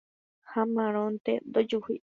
Ha márõnte ndojuhúi.